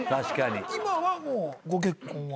今はもうご結婚は。